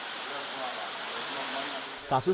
tapi yang lain sudah semua ya